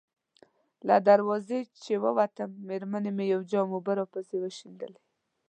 له دروازې چې ووتم، مېرمنې مې یو جام اوبه راپسې وشیندلې.